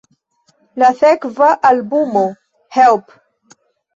La sekva albumo "Help!